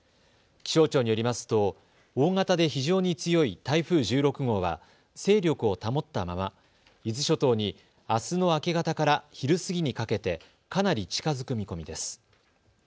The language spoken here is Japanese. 気象庁によりますと大型で非常に強い台風１６号は勢力を保ったまま伊豆諸島にあすの明け方から昼過ぎにかけてかなり近づく見込みです。